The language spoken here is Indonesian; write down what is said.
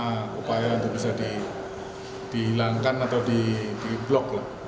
supaya bisa dihilangkan atau di blok